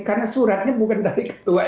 karena suratnya bukan dari ketua mda